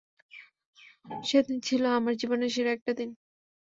সেদিনটা ছিল আমার জীবনের সেরা একটি দিন!